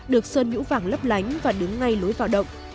được sơn nhũ vàng lấp lánh và đứng ngay lối vào động